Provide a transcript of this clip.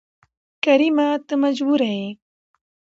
کريمه ته مجبوره يې